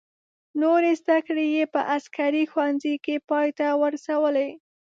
نورې زده کړې یې په عسکري ښوونځي کې پای ته ورسولې.